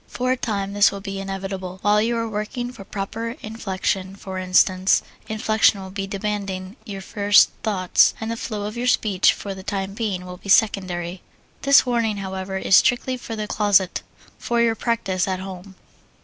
For a time, this will be inevitable. While you are working for proper inflection, for instance, inflection will be demanding your first thoughts, and the flow of your speech, for the time being, will be secondary. This warning, however, is strictly for the closet, for your practise at home.